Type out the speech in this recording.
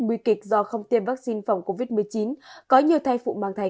nguy kịch do không tiêm vaccine phòng covid một mươi chín có nhiều thai phụ mang thai